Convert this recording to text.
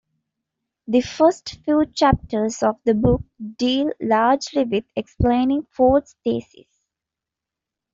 The first few chapters of the book deal largely with explaining Fort's thesis.